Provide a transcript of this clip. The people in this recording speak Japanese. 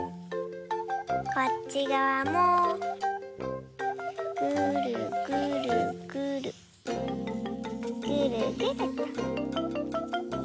こっちがわもぐるぐるぐるぐるぐると。